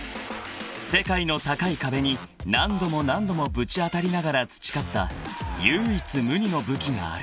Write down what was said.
［世界の高い壁に何度も何度もぶち当たりながら培った唯一無二の武器がある］